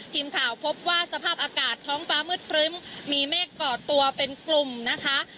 ทีมข่าวพบว่าสภาพอากาศท้องฟ้ามืดครึ้มมีเมฆก่อตัวเป็นกลุ่มนะคะ